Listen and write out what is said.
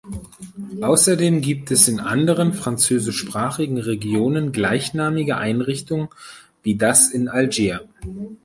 Außerdem gibt es in anderen französischsprachigen Regionen gleichnamige Einrichtungen, wie das in Algier.